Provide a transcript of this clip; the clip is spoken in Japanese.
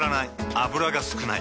油が少ない。